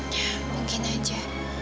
ya mungkin aja